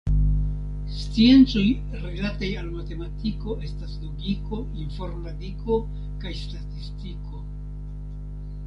Sciencoj rilataj al matematiko estas logiko, informadiko kaj statistiko.